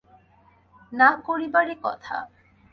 না করিবারই কথা।